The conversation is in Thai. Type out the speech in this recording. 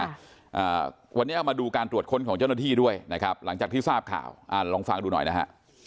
อ่าวันนี้เอามาดูการตรวจค้นของเจ้าหน้าที่ด้วยนะครับหลังจากที่ทราบข่าวอ่าลองฟังดูหน่อยนะฮะ